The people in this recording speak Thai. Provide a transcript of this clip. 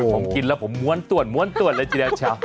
โหผมกินแล้วผมม้วนต่วนม้วนต่วนอะไรสินะ